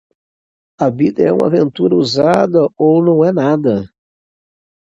A vida é uma aventura ousada ou não é nada.